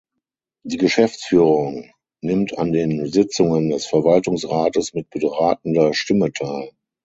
Die Geschäftsführung nimmt an den Sitzungen des Verwaltungsrates mit beratender Stimme teil.